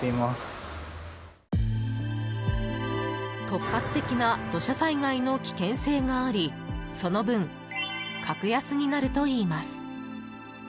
突発的な土砂災害の危険性がありその分、格安になるといいます。